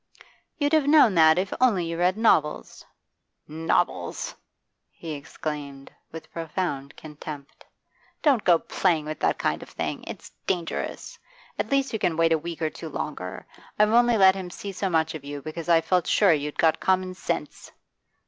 You'd have known that if only you read novels.' 'Novels!' he exclaimed, with profound contempt. 'Don't go playing with that kind of thing; it's dangerous. At least you can wait a week or two longer. I've only let him see so much of you because I felt sure you'd got common sense.